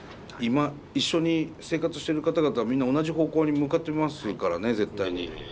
今一緒に生活してる方々はみんな同じ方向に向かってますからね絶対に。